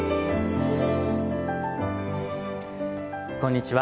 こんにちは。